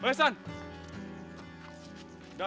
bapak bapak bapak